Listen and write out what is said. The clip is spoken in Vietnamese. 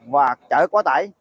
và chở quá tải